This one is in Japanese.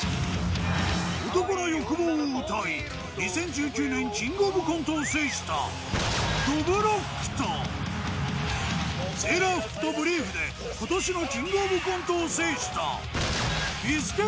男の欲望を歌い２０１９年『キングオブコント』を制したセーラー服とブリーフで今年の『キングオブコント』を制した